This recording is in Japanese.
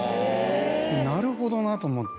なるほどなと思って。